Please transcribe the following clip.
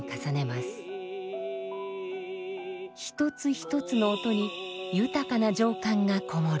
一つ一つの音に豊かな情感が籠もる。